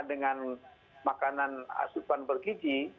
dengan makanan asupan bergiji